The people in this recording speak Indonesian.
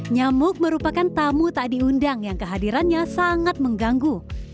nyamuk merupakan tamu tak diundang yang kehadirannya sangat mengganggu